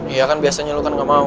iya kan biasanya lu kan gak mau